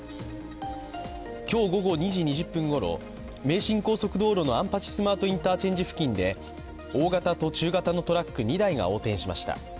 今日午後２時２０分ごろ名神高速道路の安八スマートインターチェンジ付近で大型と中型のトラック２台が横転しました。